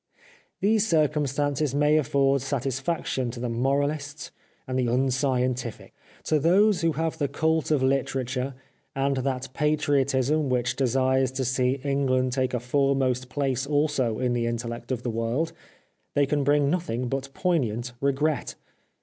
These circumstances may afford satisfaction to the moralists and the unscientific : to those who have the cult of literature, and that patriot ism which desires to see England take a fore most place also in the intellect of the world, they can bring nothing but poignant regret.